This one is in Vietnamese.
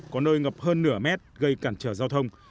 có nơi ngập hơn nửa mét gây cản trở giao thông